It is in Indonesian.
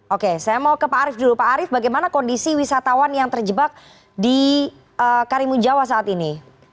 oke saya mau ke pak arief dulu pak arief bagaimana kondisi wisatawan yang terjebak di karimun jawa saat ini